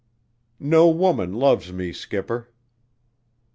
"No woman loves me, skipper."